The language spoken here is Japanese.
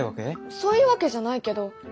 そういうわけじゃないけど。